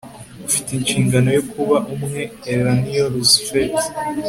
ufite inshingano yo kuba umwe - eleanor roosevelt